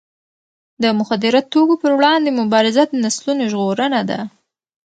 د مخدره توکو پر وړاندې مبارزه د نسلونو ژغورنه ده.